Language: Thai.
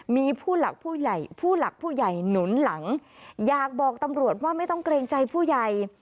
มีผู้หลักผู้ใหญ่หนุนหลังอยากบอกตำรวจว่าไม่ต้องเกรงใจผู้ใหญ่